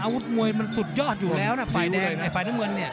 อาวุธมวยมันสุดยอดอยู่แล้วนะฝ่ายแดงไอ้ฝ่ายน้ำเงินเนี่ย